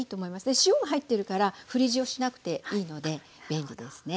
で塩が入ってるから振り塩しなくていいので便利ですね。